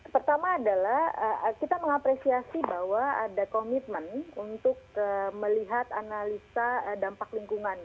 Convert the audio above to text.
pertama adalah kita mengapresiasi bahwa ada komitmen untuk melihat analisa dampak lingkungan